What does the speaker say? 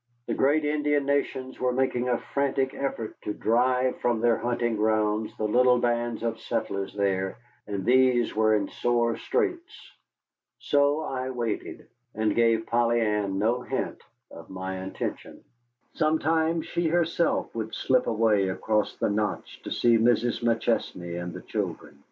The great Indian nations were making a frantic effort to drive from their hunting grounds the little bands of settlers there, and these were in sore straits. So I waited, and gave Polly Ann no hint of my intention. Sometimes she herself would slip away across the notch to see Mrs. McChesney and the children.